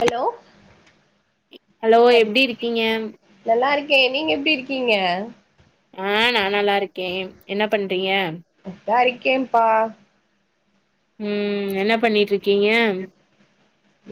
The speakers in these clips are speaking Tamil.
ஹலோ ஹலோ எப்டி இருக்கீங்க நல்லார்க்கே நீங்க எப்டி இருக்கீங்க ஆ நா நல்லார்க்கே என்ன பண்றீங்க த்தா இருக்கேன்ப்பா ம் என்ன பண்ணிட்ருக்கீங்க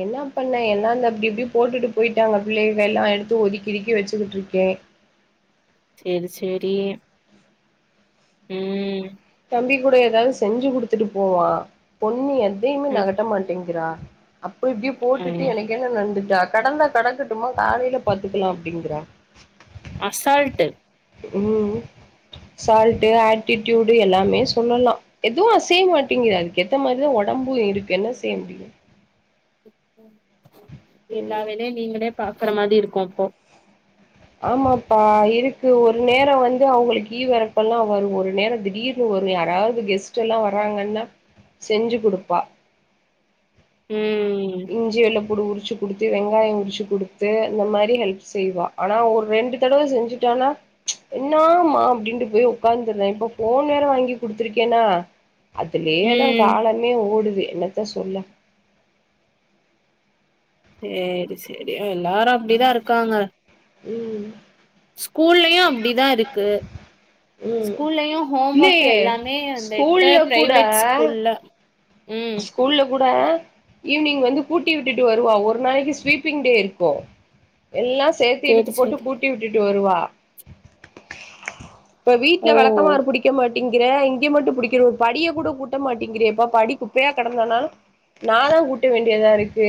என்ன பண்ண என்னாந்த அப்டி இப்டி போட்டுட்டு போய்ட்டாங்க பிள்ளைக எல்லா எடுத்து ஒதுக்கி ஒதுக்கி வச்சுக்கிட்ருக்கே சேரி சேரி ம் தம்பி கூட எதாவது செஞ்சு குடுத்துட்டு போவா பொண்ணு எதையுமே ம் நகட்ட மாட்டேங்கிறா அப்ப இப்டியோ போட்டுட்டு ஐயோ எனக் என்ன நடந்துட்டா கடந்தா கடக்கட்டுமா காலையில பாத்துக்கலா அப்டிங்கறா அசால்ட்டு் ம் சால்ட்டு ஆட்டிடியூட் எல்லாமே சொல்லலா எதுவு அசைய மாட்டிங்து அதுக்கு ஏத்த மாரிதா ஒடம்பு இருக்கு என்ன செய்ய முடியு எல்லா ம் வேலையும நீங்களே பாக்கற மாரி இருக்கும் அப்போ ஆமாப்பா இருக்கு ஒரு நேரோ வந்து அவுங்களுக்கு ஈவெரக்கல்லா வரு ஒரு நேரோ திடீர் ஒரு யாராவது கெஸ்ட் எல்லா வர்றாங்கன்னா செஞ்சு குடுப்பா ம் இஞ்சி வெல்ல புடு உரிச்சு குடுத்து வெங்காயோ உரிச்சு குடுத்து இந்த மாரி ஹெல்ப் செய்வா ஆனா ஒரு ரெண்டு தடவ செஞ்சுட்டானா என்னமா அப்டின்ட்டு போய் உக்காந்துர்ர இப்ப ஃபோன் வேற வாங்கி குடுத்துருக்கேன்னா அதுலயேதா ம் காலமே ஓடுது என்னத்த சொல்ல சேரி சேரி எல்லாரு அப்டிதா இருக்காங்க ம் ஸ்கூல்லயு அப்டி தா இருக்கு ம் ஸ்கூல்லயு ஹோம் ஒர்க் இல்லயே எல்லாமே வந்துட்டு ஸ்கூல்ல கூட பிரைவேட் ஸ்கூல்ல ம் ஸ்கூல்ல கூட ஈவி்னிங் வந்து கூட்டி விட்டுட்டு வருவா ஒரு நாளைக்கு ஸ்வீப்பிங் டே இருக்கு எல்லா சேத்து இளுத்து சேரி போட்டு சேரி கூட்டி விட்டுட்டு வருவா இப்ப வீட்ல ஓ வெளக்கமாறு புடிக்க மாட்டிங்கிற இங்க மட்டு புடிக்கிற ஒரு படிய கூட கூட்ட மாட்டிங்கிறியப்பா படி குப்பையா கடந்தனாலு நா தா கூட்ட வேண்டியதா இருக்கு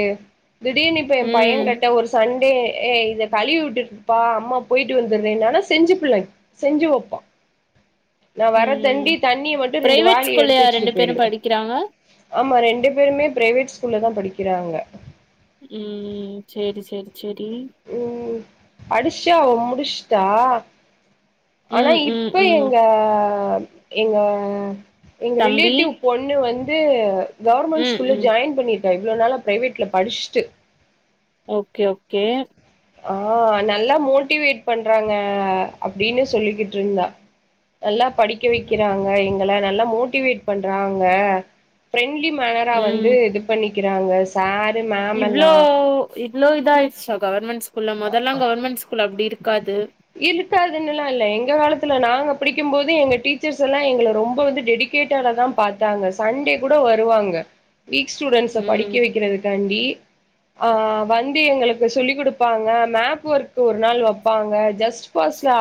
திடீர்னு இப்ப எ ம் பையன் கிட்ட ஒரு சண்டே ஏ இத கழுவி உட்டுருப்பா அம்மா போய்ட்டு வந்தற்றேனான செஞ்சு புள்ள செஞ்சு வெப்பா நா வர ம் தண்டி தண்ணிய மட்டு ரெண்டு வாலிய எடுத்து வச்சுட்டு போயிருவே கிறாங்க ஆமா ரெண்டு பேருமே பிரைவேட் ஸ்கூல்ல தா படிக்கிறாங்க ம் சேரி சேரி சேரி ம் அடிஷா அவ முடிச்ட்டா ஆனா ம் ம் இப்ப ம் எங்க எங்க எங்க தம்பி ரிலேட்டிவ் பொண்ணு வந்து கவர்மெண்ட் ம் ஸ்கூல்ல ம் ஜாயின் பண்ணிருக்கா இவ்ளோ நாள பிரைவேட்ல படிச்சுட்டு ஓகே ஓகே ஆஹ் நல்லா மோட்டிவேட் பண்றாங்க அப்டின்னு சொல்லிக்கிட்டுருந்தா நல்லா படிக்க வைக்கிறாங்க எங்கள நல்லா மோட்டிவேட் பண்றாங்க ஃப்ரெண்ட்லி மேனரா வந்து ம் இது பண்ணிக்கிறாங்க சாரு மே இவ்ளோ இவ்ளோ இதாயிடுச்சா கவர்மெண்ட் ஸ்கூல்ல மொதல்லா கவர்மெண்ட் ஸ்கூல் அப்டி இருக்காது இருக்காதுன்னுல்லா இல்ல எங்க காலத்துல நாங்க படிக்கும் போதே எங்க டீச்சர்ஸ் எல்லா எங்க ரொம்ப வந்து டெடி கேடடாதா பாத்தாங்க சண்டே கூட வருவாங்க வீக் ஸ்டூடெண்ட்ஸ ம் படிக்க வைக்கிறதுக்காண்டி ஆ வந்து எங்களுக்கு சொல்லி் கொடுப்பாங்க மேப் ஒர்க்கு ஒரு நாள் வப்பாங்க ஜஸ்ட் பாஸ்லா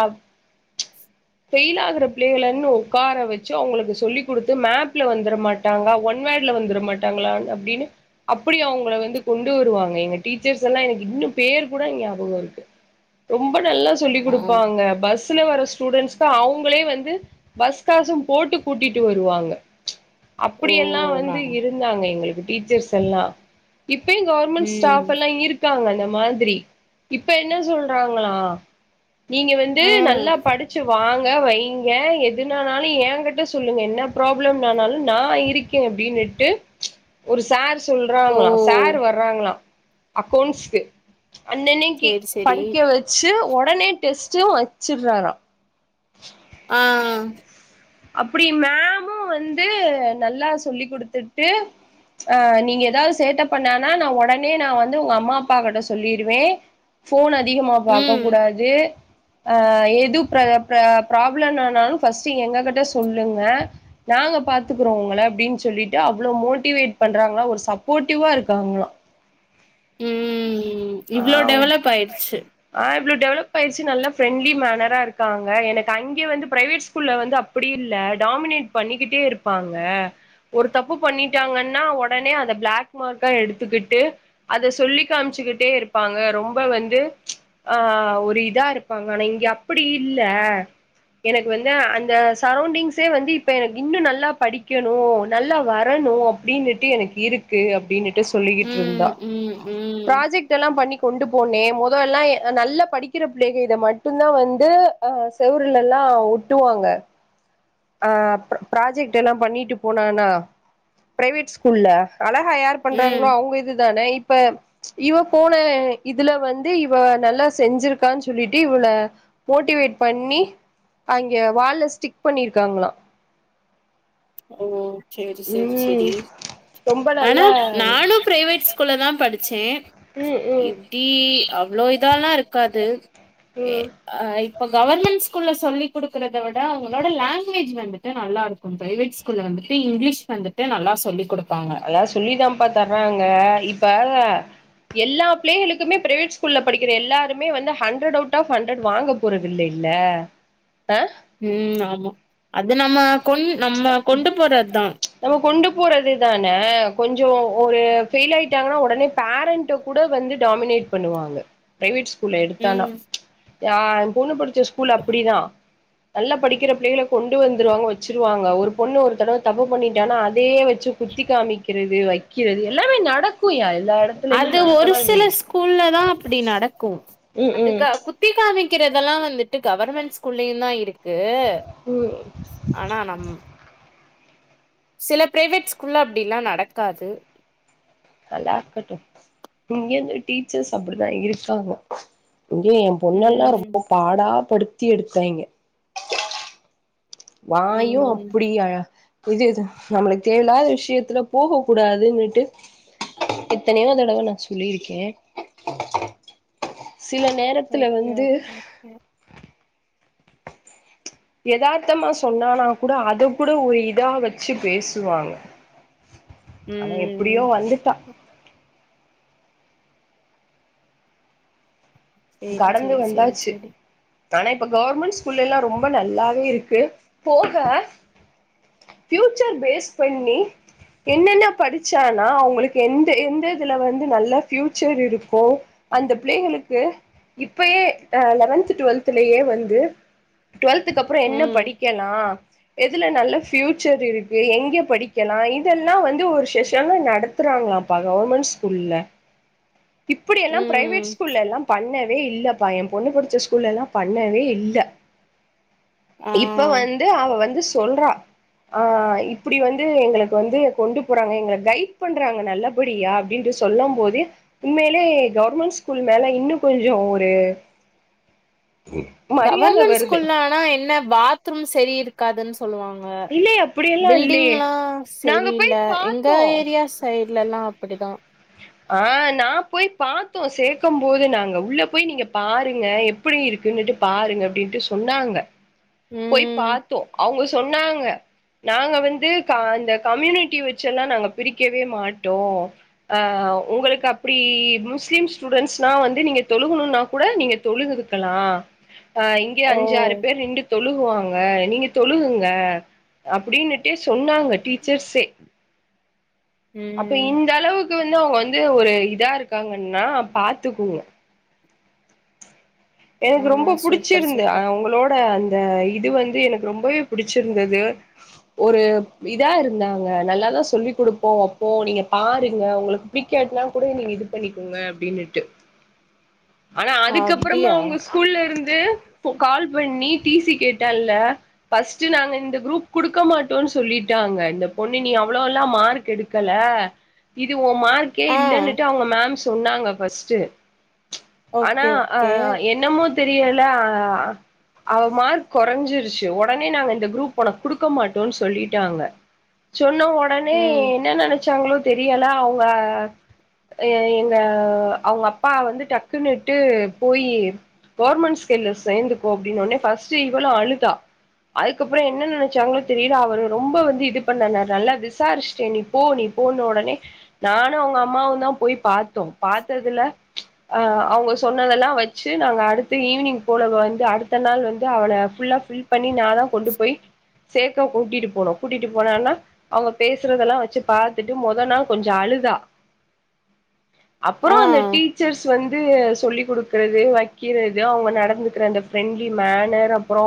ஃபெயில் ஆகுற புள்ளைகன்னு உக்கார வச்சு அவங்களுக்கு சொல்லி் கொடுத்து மேப்ல வந்தர மாட் டாங்கா ஒன் வேர்ட்ல வந்துர மாட்டாங்களா அப்டின்னு அப்பிடி அவங்கள வந்து கொண்டு வருவாங்க எங்க டீச்சர்ஸெல்லா எனக்கு இன்னு பேர் கூட ஞாபகருக்கு ரொம்ப நல்லா சொல்லி் ஆ குடுப்பாங்க பஸ்ல வர ஸ்டூடெண்ட்ஸ் கு அவங்களே வந்து பஸ் காசு போட்டு கூட்டிட்டு வருவாங்க ஓ அப்பிடியெல்லா நா வந்து இருந்தாங்க எங்களுக்கு டீச்சர்ஸெல்லா இப்பயு கவர்மெண்ட் ம் ஸ்டாபெல்லா இருக்காங்க அந்த மாதிரி இப்ப என்ன சொல்றாங்களா நீங்க வந்து ஆ நல்லா படிச்சு வாங்க வைங்க எதுனானாலு ஏங் கிட்ட சொல்லுங்க என்ன ப்ராப்ளம் ஆனாலு நா இருக் கே அப்டின்னுட்டு ஒரு சார்ஸ் ஓ சொல்றாங்களா சார் வர்றாங்களா அக்கவுண்ட்ஸ்க்கு அன்னனைக்கி சேரி சேரி படிக்க வச்சு ஒடனே டெஸ்ட்டு வச்சடுறாரா ஆ அப்படி மேமும் வந்து நல்லா சொல்லி் கொடுத்துட்டு ஆ நீங்க ஏதாவது சேட்ட பண்ணானா நா எடனே நா வந்து உங்க அம்மா அப்பா கிட்ட சொல்லிருவே ஃபோனு அதிகமா பாக்கக் ம் கூடாது ஆ எது ப்ர ப்ர ப்ராப்ளன்னாலு ஃபர்ஸ்ட் எங்ககிட்ட சொல்லுங்க நாங்க பாத்துக்குறோ உங்கள அப்டின்னு சொல்லிட்டு அவ்ளோ மோட்டிவேட் பண்றாங்களா ஒரு சப்போர்ட்டிவா இருக்காங்ளா ம் ஆ இவ்ளோ டெவலப் ஆயிடுச்சு ஆ இவ்ளோ டெவலப்பாயிடுச்சு நல்ல ஃப்ரெண்ட்லி மேனரா இருக்காங்க எனக்கு அங்கே வந்து பிரைவேட் ஸ்கூல் வந்து அப்பிடி இல்ல டாமினேட் பண்ணிக்கிட்டே இருப்பாங்க ஒரு தப்பு பண்ணிட்டாங்கன்னா ஒடனே அத பிளாக் மார்க்கா எடுத்துக்கிட்டு அத சொல்லி காமிச்சுக்கிட்டே இருப்பாங்க ரொம்ப வந்து ஆ ஒரு இதா இருப்பாங்க ஆனா இங்க அப்பிடி இல்ல எனக்கு வந்து அந்த சரௌண்டிங்ஸே வந்து இப்ப எனக்கு இன்னு நல்லா படிக்கணு நல்லா வரணு அப்டின்ட்டு எனக்கு இருக் கு அப்டின்னுட்டு சொல்லிக்கிட்டு இருந்தா ம் ம் ம் ப்ராஜெக்ட்ல்லா பண்ணி கொண்டு போனே மொதல்லா அ நல்ல படிக்கிற புள்ளைகள் இத மட்டு தா வந்து ஆ செவுரலெல்லா ஒட்டுவாங்க அ ப்ராஜெக்டெல்லா பண்ணிட்டு போனானா பிரைவேட் ஸ்கூல்ல அழகா யாரு ம் பண்றாங்களோ அவங்க இதுதானே இப்ப இவ போன இதுல வந்து இவ நல்லா செஞ்சிருக்கான்னு சொல்லிட்டு இவள மோட்டிவேட் பண்ணி அங்க வால்ல ஸ்டிக் பண்ணிருக்காங்களா ம் சேரி சேரி ம் சேரி ரொம்ப நல்ல ஆனா நானு பிரைவேட் ஸ்கூல்ல தா படிச்சே ம் ம் இப்டி அவ்ளோ இதால்லா இருக்காது எ ம் அ இப்ப கவர்மெண்ட் ஸ்கூல்ல சொல்லிக் குடுக்கறத விட அவங்களோட லாங்குவேஜ் வந்துட்டு நல்லாருக்கு ம் பிரைவேட் ஸ்கூல்ல வந்துட்டு இங்கிலீஷ் வந்துட்டு நல்லா சொல்லி குடுப்பாங்க எதாவது சொல்லிதா பாத்தாங்க இங்க இப்ப எல்லா பிள்ளைகளுமே பிரைவேட் ஸ்கூல்ல படிக்கிற எலாருமே வந்து ஹண்ட்ரட் அவுட் ஆப் ஹண்ட்ரட் வாங்க போறதில்லையில்ல ஆ ம் ஆமா அது நம்ம கொண் நம்ம கொண்டு போறத்தா நம்ம கொண்டு போறது தான கொஞ்சோ ஒரு ஃபெயில் ஆயிட்டாங்கன்னா ஒடனே பேரண்ட்ட கூட வந்து டாமினேட் பண்ணுவாங்க பிரைவேட் ஸ்கூல்ல எடுத்தானா ம் யா பொண்ணு படிச்ச ஸ்கூல் அப்பிடிதா நல்லா படிக்கிற பிள்ளைகள கொண்டு வந்துருவாங்க வச்சுருவாங்க ஒரு பொண்ணு ஒரு தடவ தப்பு பண்ணிட்டானா அதே வச்சு குத்தி காமிக்கிறது வைக்கிறது எல்லாமே நடக்குயா எல்லா எட அது ஒரு சில ஸ்கூல்ல தா அப்படி நடக்கு ம் ம் அதுக்காக குத்தி காமிக்கிறதெல்லா வந்துட்டு கவர்மெண்ட் ஸ்கூல்லயு தா இருக் க்கு ம் ஆனா நம் சில பிரைவேட் ஸ்கூல்ல அப்டில்லா நடக்காது நல்லா இருக்கட்டு இங்க இந்த டீச்சர்ஸ் அப்டிதா இருக்காங்க இங்கயு பொண்ணெல்லா ம் ரொம்ப பாடா படுத்தி எடுத்தாய்ங்க வாயு ம் அப்டி அழ இது இது நம்மளுக்கு தேவ இல்லாத விஷயத்துல போக கூடாதுன்னுட்டு எத்தனையோ தடவ நா சொல்லியிருக்கே சில நேரத்துல வந்து அ யதார்த்தமா சொன்னானா கூட அத கூட ஒரு இதா வச்சு பேசுவாங்க ஆனா ம் எப்படியோ வந்துட்டா சேரி சேரி சேரி சேரி தனே இப்ப கவர்மெண்ட் ஸ்கூல்லேல்லா ரொம்ப நல்லாவே இருக்கு போக ப்யூசர் பேஸ் பண்ணி என்னென்ன படிச்சானா அவங்களுக்கு எந்த எந்த இதுல வந்து நல்ல ஃப்யூச்சர் இருக்கு அந்த பிள்ளைகளுக்கு இப்பயே அ லெவன்த் டுவெல்த்லயே வந்து டு்வெல்த்துக்கு அப்புறோ என்ன ம் படிக்கலா எதுல நல்ல ஃப்யூச்சர் இருக்கு எங்க படிக்கலா இதெல்லா வந்து ஒரு செஷனா நட த்துறாங்கப்பா கவர்மெண்ட் ஸ்கூல்ல இப்படி எல்லா ம் பிரைவேட் ஸ்கூல்ல எல்லாம் பண்ணவே இல்லப்பா எ பொண்ணு படிச்ச ஸ்கூல்லெல்லா பண்ணவே இல்ல ஆ இப்ப வந்து அவ வந்து சொல்றா ஆ இப்படி வந்து எங்களுக்கு வந்து கொண்டு போறாங்க எங்கள கைட் பண்றாங்க நல்லா அப்படியா அப்டின்டு சொல்லம் போது உண்மைலே கவர்மெண்ட் ஸ்கூல் மேல இன்னும் கொஞ்சோ ஒரு மரியாத கவர்மெண்ட் வருது ஸ்கூல்ல ஆனா என்ன பாத்ரூம் சரி இருக்காதுன் சொல்லுவாங்க இல்லயே அப்டியெல்லா இல்லயே பில்டிங்ல்லா நாங்க போய் சரியில்ல எங்க பாத்தோ ஏரியாஸ் சைட்லல்லா அப்படிதா ஆ நா போய் பாத்தோ சேக்கம் போது நாங்க உள்ள போய் நீங்க பாருங்க எப் எப்புடி இருக்குன்னுட்டு பாருங்க அப்டின்ட்டு சொன்னாங்க போய் ம் பாத்தோ அவுங்க சொன்னாங்க நாங்க வந்து க அந்த கம்யூனிட்டி வச்சு எல்லா நாங்க பிரிக்கவே மாட்டோ ஆ உங்களுக்கு அப்டி முஸ்லீம் ஸ்டூடெண்ட்ஸ்னா வந்து நீங்க தொழுகணுன்னா கூட நீங்க தொழுதுக்கலா ஆ இங்க ஓ அஞ்சாறு பேர் நின்டு தொழுகுவாங்க நீங்க தொழுகுங்க அப்டின்னுட்டே சொன்னாங்க டீச்சர்ஸே அப்ப ம் இந்த அளவுக்கு வந்து அவுங்க வந்து ஒரு இதா இருக்காங்கன்னா பாத்துக்கோங்க ஆ எனக்கு ரொம்ப சூப்பர் புடிச்சிருந்து சூப்பர் அவங்களோட அ இது வந்து எனக்கு ரொம்பவே புடிச்சிருந்தது ஒரு இதா இருந்தாங்க நல்லாதா சொல்லி் குடுப்போ வெப்போ நீங்க பாருங்க உங்களுக் புடிக்காட்னா கூட நீங்க இது பண்ணிக்கோங்க அப்டின்னுட்டு ஆனா அதுக்கப்புறமா அப்டியா அவுங் ஸ்கூல்ல இருந்து இப்போ கால் பண்ணி டி சி கேட்டால்ல ஃபஸ்ட்டு நாங்க இந்த குரூப் குடுக்க மாட்டோன் சொல்லிட்டாங்க இந்த பொண்ணு நீ அவ்வளோலா மார்க் எடு கல இது ஓ மார்க்கே ஆ இல்லன்னுட்டு அவங்க மம் சொன்னாங்க ஃபஸ்ட்டு ஆனா ஓகே ஆ ஓகே என்னமோ தெரியல ஆ அவ மார்க் கொறைஞ்சிருச்சு ஒடனே நாங்க இந்த குரூப் ஒனக்கு குடுக்க மாட்டோன்னு சொல்லிட்டாங்க சொன்ன ஒடனே ம் என்ன நெனச்சாங்களோ தெரியல அவுங்க எ எங்க அவுங்கப்பா வந்து டக்குன்னுட்டு போயி கவர்மெண்ட்ஸ் ஸ்கேல்ல சேந்துக்கோ அப்டின்ன ஒன்னே ஃபஸ்ட்டு இவளு அழுதா அதுக்கப்பறோ என்ன நெனைச்சாங்ளே தெரில அவரு ரொம்ப வந்து இது பண்ணுனாரு நல்ல விசாரிச்சிட்டே நீ போ நீ போன்ன ஒடனே நானு அவுங்கம்மாவுந்தா போய் பாத்தோ பாத்ததுல ஆ அவுங்க சொன்னதெல்லா வச் சு நாங்க அடுத்து ஈவினிங் போல வந்து அடுத்த நாள் வந்து அவள ஃபுல்லா ஃபில் பண்ணி நாதா கொண்டு போய் சேக்க கூட்டிட்டு போனோ கூட்டிட்டு போனானா அவுங்க பேசறதெல்லா வெச்சு பாத்துட்டு மொத நா கொஞ்சோ அழுதா அப்றோ ஆ அந்த டீச்சர்ஸ் வந்து சொல்லிக் குடுக் கறது வைக்கிறது அவுங்க நடந்துக்கிற அந்த ஃப்ரெண்ட்லி மேனர் அப்றோ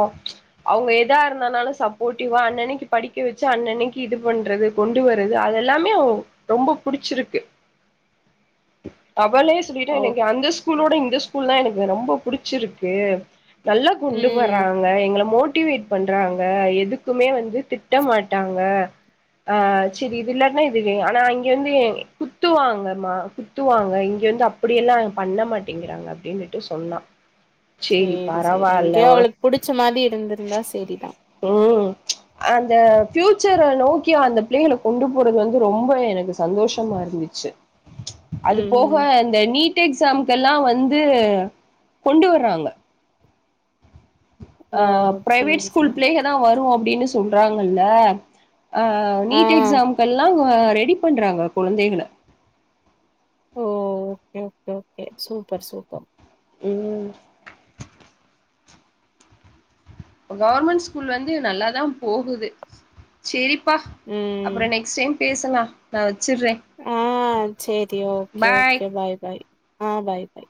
அவுங்க எதா இருந்தானாலு சப்போர்ட்டிவா அன்னன்னைக்கி படிக்க வெச்சு அன்னன்னைக்கு இது பண்றது கொண்டு வரது அதெல்லாமே அவ் ரொம்ப புடிச்சிருக்கு அவளே சொல்லிட்டா ஓ எனக்கு அந்த ஸ்கூலோட இந்த ஸ்கூல்தா எனக்கு ரொம்ப புடிச்சிருக்கு நல்லா கொண்டு ம் வராங் க எங்கள மோட்டிவேட் பண்றாங்க எதுக்குமே வந்து திட்ட மாட்டாங்க ஆ செரி இது இல்லாட்னா இதுவே ஆனா இங்க வந்து குத்துவாங்கம்மா குத்துவாங்க இங்க வந்து அப்டியெல்லா பண்ண மாட்டேங்கிறாங்க அப்டின்னுட்டு சொன்னா சேரி சேரி பரவால்ல எங்கயோ உனக் அவளுக்கு புடிச்ச மாதி இருந்திருந்தா செரிதா ம் அந்த ஃபியூச்சர நோக்கி அந்த பிள்ளைகள கொண்டு போடுறது வந்து ரொம்ப எனக்கு சந்தோஷமா இருந்துச்சு அது ம் போக ம் இந்த நீட் எக்ஸாம்கெல்லா வந்து கொண்டு வர்றாங்க ஓ ஆ ப்ரைவேட் சேரி ஸ்கூல் சேரி பிள்ளைகதா வரு அப்டின்னு சொல்றாங்கல்ல ஆ ஆ நீட் எக்ஸாம்க்கு எல்லா ரெடி பண்றாங்க கொழந்தைகள ஓ okay okay okay super super ம் கவர்மெண்ட் ஸ்கூல் வந்து நல்லாதா போகுது செரிப்பா ம் அப்றோ நெக்ஸ்ட் டைம் பேசலா நா வெச்சுர்றே ஆ செரி ஓகே ஓகே பாய் பாய் ஆ பாய் பாய்